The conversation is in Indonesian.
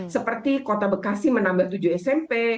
seperti kota bekasi menambah tujuh smp